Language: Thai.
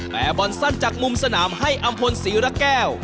แผ้บอลแสร่งจากมุมสนามให้อัมพลศรีระแก้ว